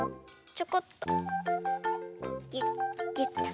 ちょこっと。